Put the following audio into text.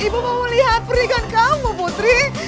ibu mau melihat pernikahan kamu putri